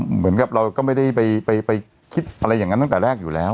เหมือนกับเราก็ไม่ได้ไปคิดอะไรอย่างนั้นตั้งแต่แรกอยู่แล้ว